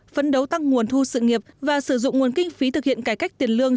phấn đấu tăng nguồn thu sự nghiệp và sử dụng nguồn kinh phí thực hiện cải cách tiền lương